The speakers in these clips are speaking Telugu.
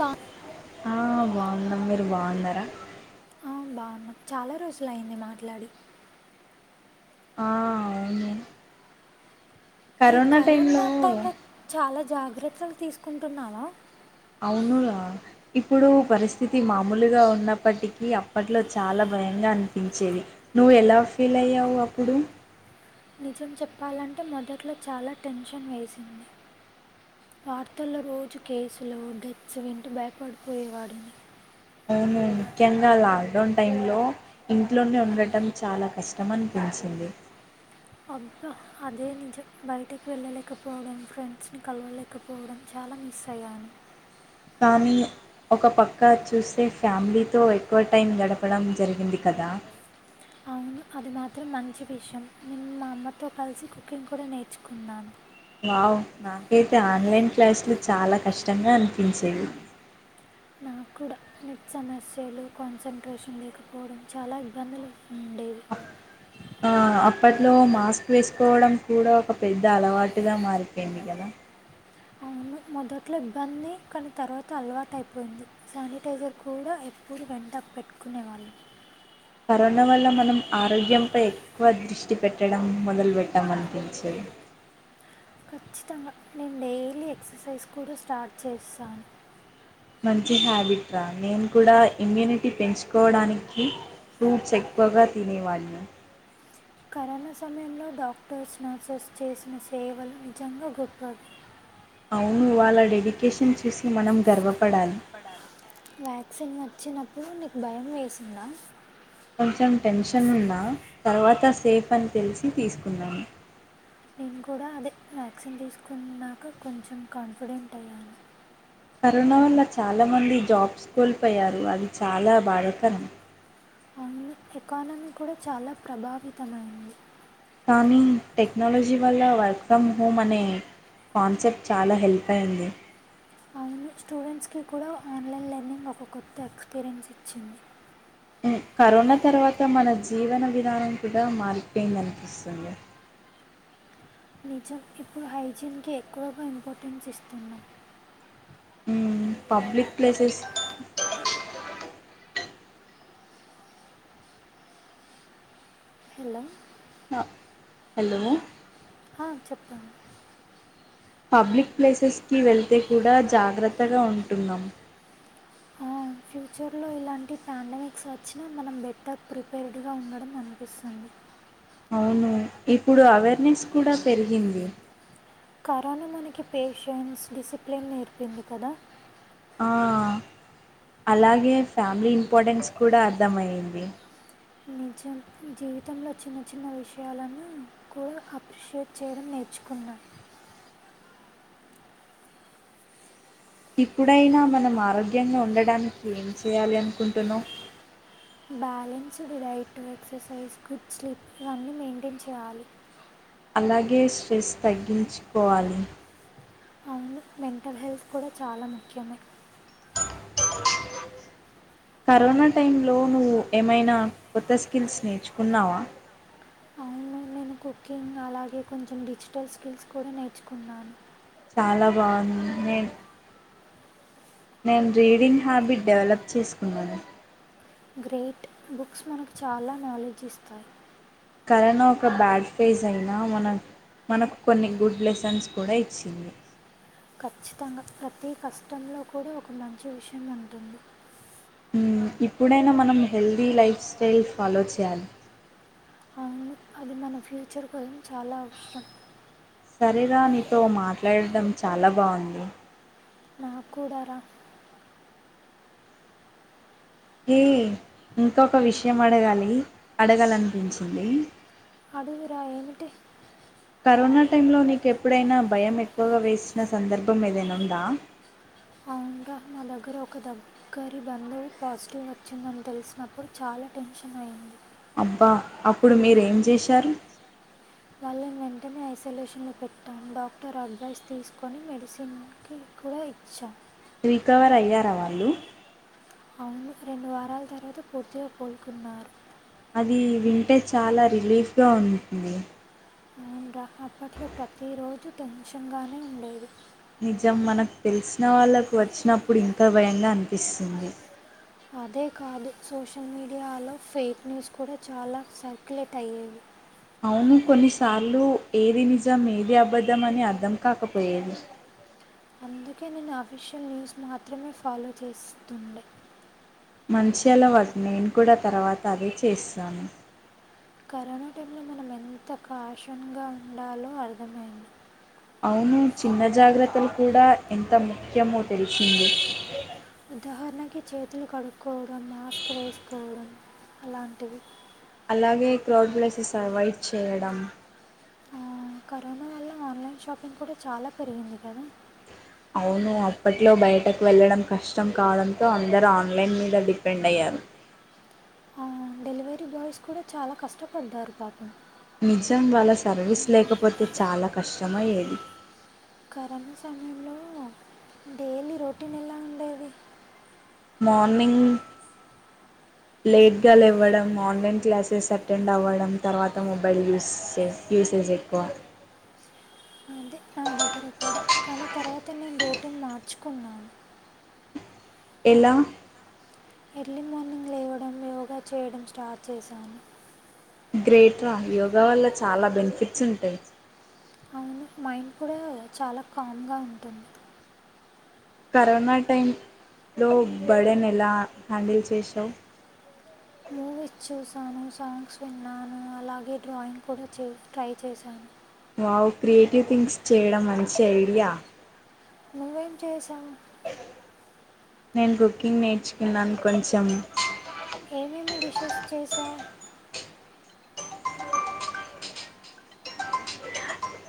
బా ఆ బావున్నాం మీరు బావున్నర బావున్నాం చాలా రోజులైంది మాట్లడి ఆ అవును ఇ కరోనా టైంలో చాలా జాగ్రత్తల్ తీసుకుంటున్నావా అవును రా ఇప్పుడు పరిస్థితి మామూలుగా ఉన్నప్పటికీ అప్పట్లో చాలా స్వయంగా అనిపించేది, నువ్ ఎలా ఫీల్ అయ్యావు అప్పుడు. నిజం చెప్పాలంటే మొదట్లో చాలా టెన్షన్ వేసింది వార్తల్లో రోజు కేసులూ, డెత్స్ వింటు భయపడిపోయేవాడు. అవును ముఖ్యంగా లాక్ డౌన్ టైం లో ఇంట్లోనే ఉండటం చాలా కష్టం అనుపి. ఒచ్చంది అబ్బ అదే నిజం బయటికి వెళ్ళలేకపోవడం, ఫ్రెండ్స్ ని కలవలేకపోవడం, చా. అలా మిస్ అయ్యా కానీ ఒక పక్క చూస్తే ఫ్యామిలీతో ఎక్కువ టైం గడపడం జరిగింది కదా అవును అది మాత్రం మంచి విషయం, నేను మా అమ్మతో కలిసి కుకింగ్ కూడా నేర్చుకున్నాను. వావ్ నాకైతే ఆన్లైన్ క్లాసులు చాలా కష్టంగా అనిపించేవి. నాక్కూడా నెట్ సమస్యలు, కాన్సన్ంట్రేషన్ లేకపోవడం, చాలా ఇబ్బందులు. ఉండేవి ఆ ఆ అప్పట్లో మాస్క్ వేసుకోవడం కూడా ఒక పెద్ద అలవాటుగా మారిపోయింది గదా. అవును మొదట్లో ఇబ్బంది కానీ తర్వాత అలవాటు అయిపోయింది, శానిటైజర్ కూడా ఎప్పుడు వెంట. అ పెట్టుకునేవాళ్ళు కరోనా వల్ల మనం ఆరోగ్యం పై ఎక్కువ దిష్ట పెట్టడం మొదల్ వేట్టాం అనిపించేది. ఖచ్చితంగా నేను డైలీ ఎక్సర్సైజ్ కూడా స్టార్ట్ చేస్సాను మంచి హ్యాబిట్ రా నేను కూడా ఇమ్యూనిటీ పెంచుకోవడానికి ఫ్రూట్స్ ఎక్కువగా తినేవాళ్ళం కరోనా సమయంలో డాక్టర్స్, నర్సెస్, చేసిన సేవలు నిజంగా గొప్పవి. అవునూ, వాళ్ళ డెడికేషన్ చూసి మనం గర్వపడాలి. వ్యాక్సిన్ ఒచ్చినప్పుడు నీకు భయం వేసిందా కొంచెం టెన్షన్ ఉన్నా తర్వాత సేఫ్ అని తెలిసి తీసుకున్నాను. నేన్ కూడా అదే వ్యాక్సిన్ తీసుకున్నాక కొంచెం కాన్ఫిడెంట్ అయ్యాను. కరోనా వల్ల చాలా మంది జాబ్స్ కోల్పోయారు అది చాలా బాధాకరం. అన్నీ ఎకానమీ కూడా చాలా ప్రభావితమైంది. కానీ టెక్నాలజీ వల్ల వర్క్ ఫ్రమ్ హోమ్ అనే కాన్సెప్ట్ చాలా హెల్ప్ అయింది అవును స్టూడెంట్స్కి కూడా ఆన్లైన్ లెర్నింగ్ ఒక కొత్త ఎక్స్పీరియన్స్ ఇచ్చింది. ఊ కరోనా తర్వాత మన జీవన విధానం కూడా మారిపోయిందనిపిస్తుంది. నిజం ఇప్పుడు హైజీన్ కి ఎక్కువగా ఇంపార్టెన్స్ ఇస్తున్నా. ఊ పబ్లిక్ ప్లేసెస్ హలో అ హలో ఆ చెప్పండి పబ్లిక్ ప్లేసెస్ కి వెళ్తే కూడా జాగ్రత్తగా ఉంటున్నాం. ఫ్యూచర్లో ఇలాంటి పాండమిక్స్ వచ్చినా మనం బెట్టర్ ప్రిపేర్డ్ గా ఉండడం అనిపిస్సుంది. అవునూ ఇప్పుడు అవేర్నెస్ కూడా పెరిగింది. కరోనా మనకి పేషెన్స్, డిసిప్లేన్ నేర్పింది కదా. ఆ అలాగే ఫ్యామిలీ ఇంపార్టెన్స్ కూడా అర్థమయింది. నిజం, జీవితంలో చిన్న చిన్న విషయాలన్ని కూడా అప్రిషియేట్ చేయడం నేర్చు. కున్నా ఇప్పుడైనా మనం ఆరోగ్యంగా ఉండడానికి ఏం చేయాలి అనుకుంటున్నవ్. Balanced diet, exercise, good sleep ఇవన్నీ మెంటైన్ చేయాలి. అలాగే స్ట్రెస్ తగ్గించుకోవాలి అవును మెంటల్ హెల్త్ కూడ చాలా ముఖ్యం కరోనా టైమ్ లో నువ్వు ఏమైనా కొత్త స్కిల్స్ నేర్చుకున్నావ అవును నేను కుకింగ్ అలాగే కొంచం డిజిటల్స్ స్కిల్స్ కూడ నేర్చుకున్నాను చాల బాగుంది నేన్ నేన్ రీడింగ్ హ్యాబిట్ డెవలప్ చేసుకున్నాను గ్రేట్ బుక్స్ మనకు చాల నాలెడ్జ్ ఇస్తాయ్ కరోన ఒక బ్యాడ్ ఫేజ్ అయినా మన మనకు కొన్ని గుడ్ లెసన్స్ కూడ ఇచ్చింది ఖచ్చితంగ ప్రతీ కష్టంలో కూడ ఒక మంచి విషయం ఉంటుంది ఇప్పుడైన మనం హెల్దీ లైఫ్ స్టైల్ ఫాలో చేయాలి కాని అది మన ఫ్యూచర్ గొల్ చాలా అవసరం సరేర నీతో మాట్లాడడం చాలా బాగుంది నాక్కూడ ర ఏ ఇంకొక విషయం అడగాలి అడగాలనిపించింది అడుగురా ఏమిటి కరోనా టైం లో నీకు ఎప్పుడైనా భయం ఎక్కువగా వేసిన సందర్భం ఏదైనా ఉందా అవున్రా మా దగ్గర ఒక దగ్గరి బంధువు పాజిటివ్ వచ్చిందని తెలిసినప్పుడు చాల్ టెన్షన్ అయ్యింది అబ్బా అప్పుడు మీరేం జేశారు వాళ్ళని వెంటనే ఐసోలేషన్ లో పెట్టాం డాక్టర్ అడ్వైస్ తీసుకొని మెడిసిన్ కి కూడ ఇచ్చాం రికవర్ అయ్యార వాళ్ళు అవును ఫ్రెండు రెండు వారాల తర్వాత పూర్తిగా కోలుకున్నారు అది వింటే చాల రిలీఫ్గా ఉంటుంది అవున్రా అప్పట్లో ప్రతి రోజు టెన్షన్ గానే ఉండేది నిజం మనకు తెలిసిన వాళ్ళకు వచ్చినప్పుడు ఇంకా భయంగా అనిపిస్తుంది అదే కాదు సోషల్ మీడియాలో ఫేక్ న్యూస్ కూడ చాల సర్క్యులేట్ అయ్యేవి అవును కొన్నిసార్లు ఏది నిజం ఏది అబద్ధం అని అర్థం కాకపోయేది అందుకే నేను అఫీషియల్ న్యూస్ మాత్రమే ఫాలో చేస్తుండే మంచి అలవాట్ నేన్ కూడ తర్వాత అదే చేస్తాను కరోనా టైమ్లో మనం ఎంత కాషన్గా ఉండాలో అర్థమైంది అవును చిన్న జాగ్రత్తలు కూడ ఎంత ముఖ్యమో తెలిసింది ఉదాహరణకి చేతులు కడుక్కోవడం మాస్క్ వేసుకోవడం అలాంటివి అలాగే క్రౌడ్ ప్లేసెస్ అవైడ్ చేయడం కరోనా వల్ల ఆన్లైన్ షాపింగ్ కూడ చాల పెరిగింది కదా అవును అప్పట్లో బయటకు వెళ్ళడం కష్టం కావడంతో అందరుూ ఆన్లైన్ మీద డిపెండ్ అయ్యారు డెలివరీ బాయ్స్ కూడ చాల కష్టపడ్డారు పాపం నిజం వాళ్ళ సర్వీస్ లేకపోతే చాల కష్టమయ్యేది కరోనా సమయంలో డైలీ రొటీన్ ఎలా ఉండేది మార్ర్నింగ్ లేట్ గా లేవ్వడం ఆన్లైన్ క్లాసెస్ అటెండ్ అవ్వడం తర్వాత మొబైల్ యూస్ చే యూస్ యూజెక్కువా అదే నా దగ్గర కూడ కానీ తర్వాత నేను రోటీన్ మార్చుకున్నాను ఇలా ఎర్లీ మార్నింగ్ లేవడం యోగా చేయడం స్టార్ట్ చేశాను గ్రేట్రా యోగా వల్ల చాలా బెనిఫిట్స్ ఉంటాయి అవును మైండ్ కూడా చాలా కామ్గా ఉంటుంది కరోనా టైంలో బడెన్ ఎలా హ్యాండిల్ చేశావు మూవీస్ చూసాను సాంగ్స్ విన్నాను అలాగే డ్రాయింగ్ కూడా చే ట్రై చేశాను వావు క్రియేటివ్ థింగ్స్ చేయడం మంచి ఐడియా నువ్వు చేసావు నేను కుకింగ్ నేర్చుకున్నాను కొంచెం ఏమేమి డిషెస్ చేశావు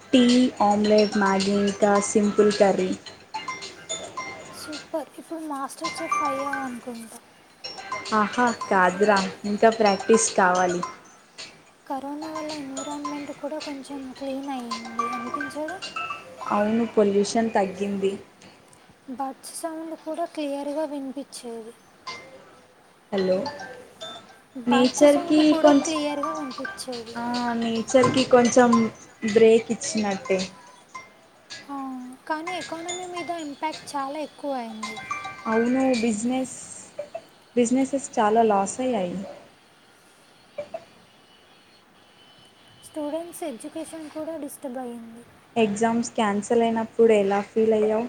టీ ఆమ్లేట్ మ్యాగికా సింపుల్ కర్రీ సూపర్ ఇప్పుడు మాస్టర్ చెఫ్ అయ్యావు అనుకుంటా ఆహా కాదురా ఇంకా ప్రాక్టీస్ కావాలి కరోనా వల్ల ఎన్విరాన్మెంట్ కూడా కొంచెం క్లీన్ అయింది అనిపించడు అవును పొల్యూషన్ తగ్గింది బర్డ్స్ సౌండ్ కూడా క్లియర్గా వినిపించేది హలో బర్డ్స్ నేచర్ కి సౌండ్ కూడా కొంచం క్లియర్గా వినిపించేది ఆ నేచర్ కి కొంచెం బ్రేక్ ఇచ్చినట్టే కానీ ఎకానమీ మీద ఇంపాక్ట్ చాలా ఎక్కువ అయింది అవును బిజినెస్ బిజినెసెస్ చాలా లాస్ అయ్యాయి స్టూడెంట్స్ ఎడ్యుకేషన్ కూడా డిస్టర్బ్ అయింది ఎగ్జామ్స్ క్యాన్సల్ అయినప్పుడు ఎలా ఫీల్ అయ్యావు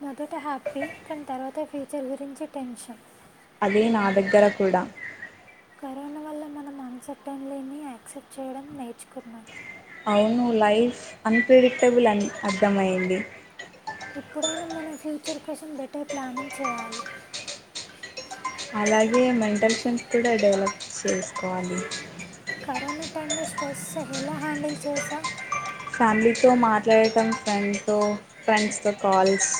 మొదట హ్యాపీ కానీ తర్వాత ఫ్యూచర్ గురించి టెన్షన్ అదే నా దగ్గర కూడా కరోనా వల్ల మనం అన్సెటన్లేని యాక్సెప్ట్ చేయడం నేర్చుకున్నాం అవును లైఫ్ అన్ప్రెడిక్టబుల్ అని అర్థంమయ్యంది ఎప్పుడైనా మనం ఫ్యూచర్ కోసం బెటర్ ప్లానింగ్ చేయాలి అలాగే మెంటల్ స్ట్రెంతస్ కూడా డెవలప్ చేసుకోవాలి కరోనా టైంలో స్ట్రెస్ ఎలా హ్యాండిల్ చేసా ఫ్యామిలీతో మాట్లాడటం ఫ్రెండ్తో ఫ్రెండ్స్తో కాల్స్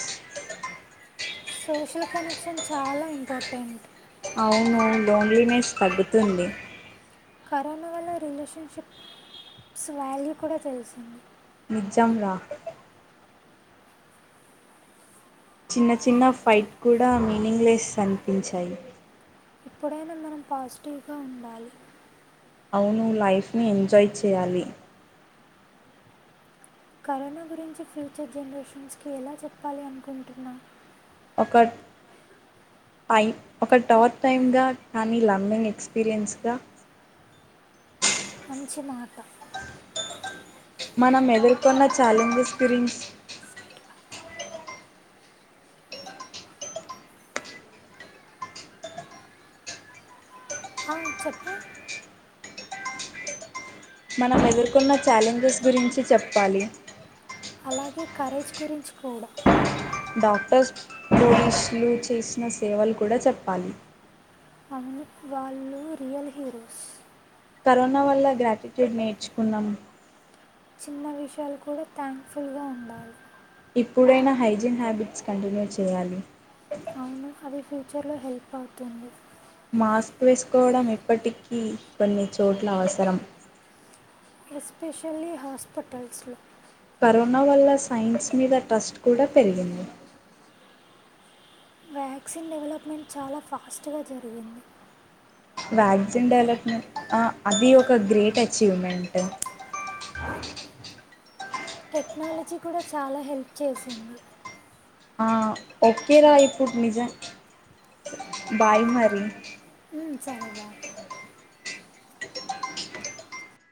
సోషల్ కనెక్షన్ చాలా ఇంపార్టెంట్ అవును లోన్లీ నేస్ తగ్గుతుంది కరోనా వల్ల రిలేషన్షిప్స్ శావాల్యూ కూడా తెలిసింది నిజం రా చిన్న చిన్న ఫైట్ కూడా మీనింగ్లెస్ అనిపించాయి ఎప్పుడైనా మనం పాజిటివ్గా ఉండాలి అవును లైఫ్ ని ఎంజాయ్ చేయాలి కరోనా గురించి ఫ్యూచర్ జనరేషన్స్కి ఎలా చెప్పాలి అనుకుంటున్నా ఒకరు టై ఒక టోత్ టైమ్గా కానీ లర్నింగ్ ఎక్స్పీరియన్స్గా మంచి మాట మనం ఎదుర్కొన్న ఛాలెంజె ఫిరింగ్స్ అ చెప్పు మనం ఎదుర్కొన్న ఛాలెంజెస్ గురించి చెప్పాలి అలాగే కరేజ్ గురించి కూడా డాక్టర్స్ పోలీస్లు చేసిన సేవలు కూడా చెప్పాలి అవును వాళ్ళు రియల్ హీరోస్ కరోనా వల్ల గ్రాటిట్యూడ్ నేర్చుకున్నాము చిన్న విషయాలు కూడా థ్యాంక్ఫుల్గా ఉండాలి ఇప్పుడైనా హైజీన్ హ్యాబిట్స్ కంటిన్యూ చేయాలి అవును అది ఫ్యూచర్లో హెల్ప్ అవుతుంది మాస్క్ వేసుకోవడం ఇప్పటికీ కొన్ని చోట్ల అవసరం ఎస్పెషల్లీ హాస్పిటల్స్లో కరోనా వల్ల సైన్స్ మీద ట్రస్ట్ కూడా పెరిగింది వ్యాక్సిన్ డెవలప్మెంట్ చాలా ఫాస్ట్గా జరిగింది వ్యాక్జిన్ డెవలప్మెంట్ ఆ అది ఒక గ్రేట్ అచీవ్మెంట్ టెక్నాలజీ కూడా చాలా హెల్ప్ చేసింది ఆ ఓకేరా ఇప్పుడు నిజ బాయ్ మరి ఉమ్ సరే బాయ్